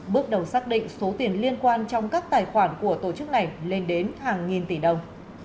bước đầu xác định số tiền liên quan trong các tài khoản của tổ chức này lên đến hàng nghìn tỷ đồng